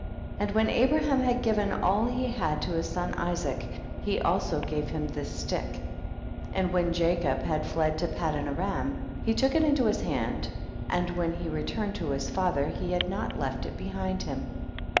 45. And when Abraham had given all he had to his son Isaac, he also gave to him this stick. 46. And when Jacob had fled to Padan aram, he look it into his hand, and when he returned to his father he had not left il behind him.